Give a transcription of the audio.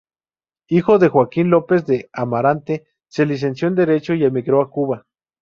Hijo de Joaquín López de Amarante, se licenció en Derecho y emigró a Cuba.